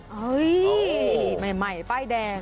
เฮ้ยใหม่ป้ายแดง